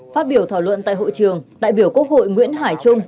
phát biểu thảo luận tại hội trường đại biểu quốc hội nguyễn hải trung